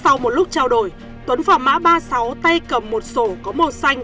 sau một lúc trao đổi tuấn phỏ mã ba mươi sáu tay cầm một sổ có màu xanh